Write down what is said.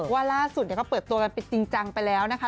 ว่าล่าสุดก็เปิดตัวกันเป็นจริงจังไปแล้วนะคะ